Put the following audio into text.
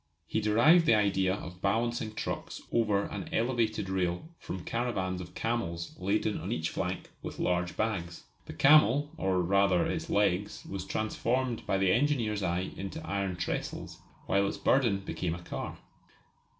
He derived the idea of balancing trucks over an elevated rail from caravans of camels laden on each flank with large bags. The camel, or rather its legs, was transformed by the engineer's eye into iron trestles, while its burden became a car.